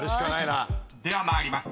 ［では参ります。